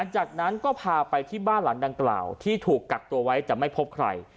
จากนั้นก็พาไปที่บ้านหลานดังกล่าวถูกกักตัวไม่ได้พบใคร